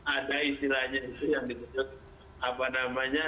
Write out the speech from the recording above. ada istilahnya itu yang disebut apa namanya